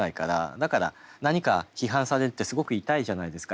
だから何か批判されるってすごく痛いじゃないですか。